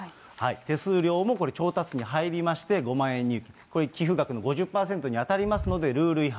手数料も調達に入りまして、５万円に、これ寄付額の５０％に当たりますので、ルール違反。